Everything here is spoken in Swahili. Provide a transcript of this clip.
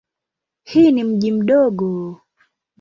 Hii ni mji mdogo.